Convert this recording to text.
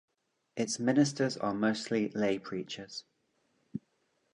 Its ministers are mostly lay preachers.